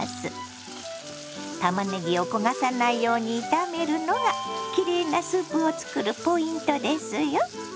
たまねぎを焦がさないように炒めるのがきれいなスープを作るポイントですよ。